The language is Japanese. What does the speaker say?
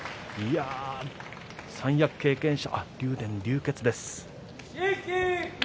三役経験者竜電、流血です。